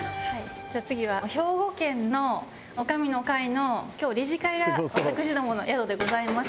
じゃあ次は兵庫県の女将の会の今日理事会が私どもの宿でございまして。